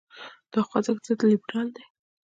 دا خوځښت ضد لیبرال دی.